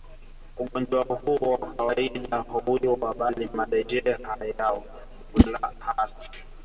Ugonjwa huu kwa kawaida hauui bali majeraha yanayotokea kwenye midomo yanaweza kuwazuia kula hasa